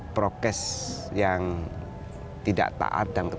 prokes yang tidak taat dan ketat